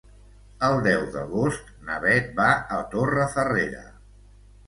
El deu d'agost na Beth va a Torrefarrera.